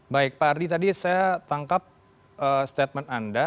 baik pak ardi tadi saya tangkap statement anda